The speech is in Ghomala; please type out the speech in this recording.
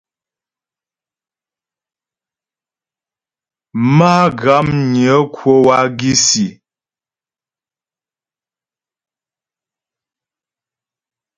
Má'a Guamnyə kwə wágisî.